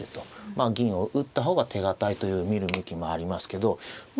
まあ銀を打った方が手堅いという見る向きもありますけどま